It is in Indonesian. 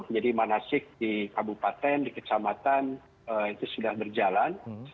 jadi manasik di kabupaten di kesamatan itu sudah berjalan